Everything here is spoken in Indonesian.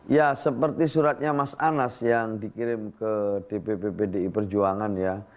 ya seperti suratnya mas anas yang dikirim ke dpp pdi perjuangan ya